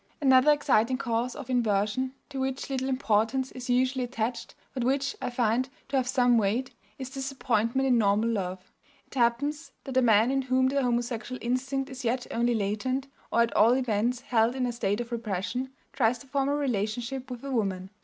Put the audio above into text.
Another exciting cause of inversion, to which little importance is usually attached, but which I find to have some weight, is disappointment in normal love. It happens that a man in whom the homosexual instinct is yet only latent, or at all events held in a state of repression, tries to form a relationship with a woman.